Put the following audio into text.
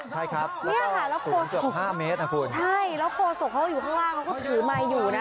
ใช่ครับแล้วก็ศูนย์เกือบ๕เมตรครับคุณใช่แล้วโคโศกเขาอยู่ข้างล่างเขาก็ถือมาอยู่นะ